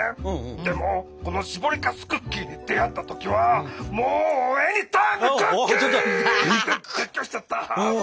でもこのしぼりかすクッキーに出会った時はもう「エニータイムクッキー！」って絶叫しちゃった。